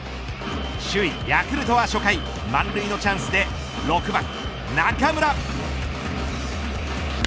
首位ヤクルトは初回満塁のチャンスで６番中村。